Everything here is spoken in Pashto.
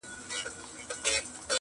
جهاني غزل دي نوی شرنګ اخیستی.!